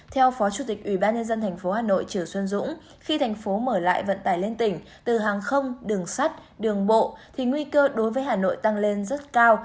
theo phó chủ tịch ủy ban nhân dân tp hà nội trừ xuân dũng khi thành phố mở lại vận tải lên tỉnh từ hàng không đường sắt đường bộ thì nguy cơ đối với hà nội tăng lên rất cao